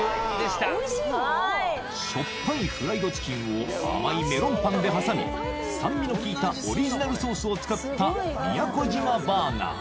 しょっぱいフライドチキンを甘いメロンパンで挟み酸味のきいたオリジナルソースを使った宮古島バーガー